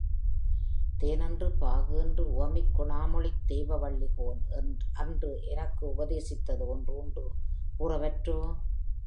தேன்என்று பாகுஎன்று உவமிக் கொணாமொழித் தெய்வவள்ளி கோன்அன்று எனக்குஉப தேசித்தது ஒன்றுஉண்டு, கூறவற்றோ?